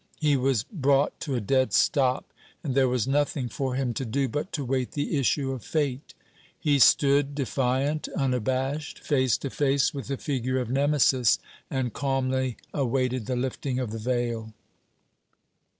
He was brought to a dead stop; and there was nothing for him to do but to wait the issue of Fate. He stood, defiant, unabashed, face to face with the figure of Nemesis, and calmly awaited the lifting of the veil.